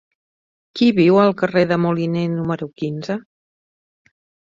Qui viu al carrer de Moliné número quinze?